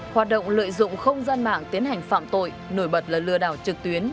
hoạt động lợi dụng không gian mạng tiến hành phạm tội nổi bật là lừa đảo trực tuyến